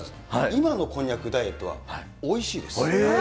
今のこんにゃくダイエットはおいしいです。